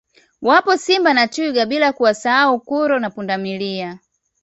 Wapo Simba na Twiga bila kuwasau kuro na Pundamilia